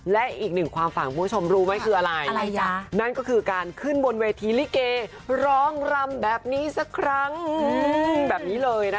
และอีกหนึ่งความฝันของคุณผู้ชมรู้ไหมคืออะไร